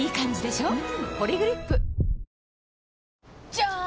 じゃーん！